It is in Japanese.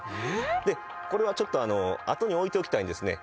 でこれはちょっと後に置いときたいんですね。